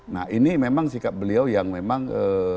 nah ini memang sikap beliau yang memang